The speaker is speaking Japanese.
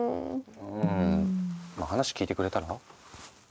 うんまあ話聞いてくれたら？